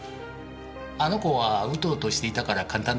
あの子はうとうとしていたから簡単だった。